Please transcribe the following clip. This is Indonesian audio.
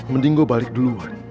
mending gue balik duluan